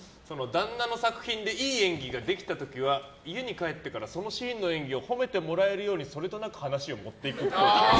旦那の作品でいい演技ができた時は家に帰ってからそのシーンの演技を褒めてもらえるようにそれとなく話を持っていくっぽい。